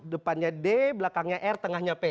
depannya d belakangnya r tengahnya p